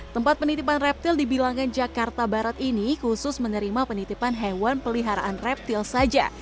tempat penitipan reptil dibilangkan jakarta barat ini khusus menerima penitipan hewan peliharaan reptil saja